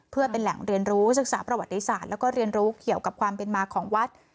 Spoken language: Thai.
เพื่อเป็นแหล่งเรียนรู้ศึกษาประวัติศาสตร์แล้วก็เรียนรู้เกี่ยวกับความเป็นมาของวัด